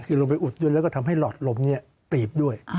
คือลงไปอุดด้วยแล้วก็ทำให้หลอดลมนี้ตีบด้วย